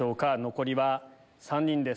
残りは３人です。